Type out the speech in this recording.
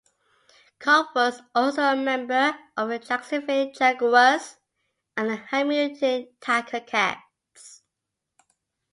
Cobb was also a member of the Jacksonville Jaguars and the Hamilton Tiger-Cats.